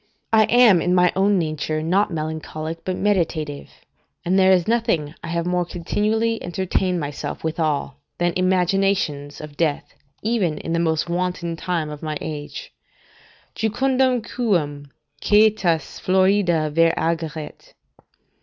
I am in my own nature not melancholic, but meditative; and there is nothing I have more continually entertained myself withal than imaginations of death, even in the most wanton time of my age: "Jucundum quum aetas florida ver ageret."